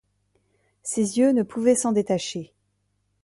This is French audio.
Ses yeux ne pouvaient s’en détacher.